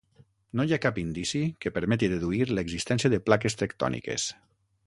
No hi ha cap indici que permeti deduir l'existència de plaques tectòniques.